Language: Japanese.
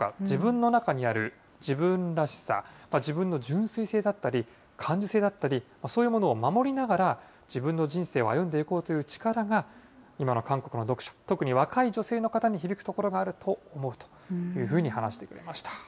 自分の中にある自分らしさ、自分の純粋性だったり、感受性だったり、そういうものを守りながら、自分の人生を歩んでいこうという力が、今の韓国の読者、特に若い女性に響くところがあると思うというふうに話してくれました。